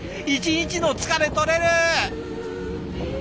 一日の疲れとれる！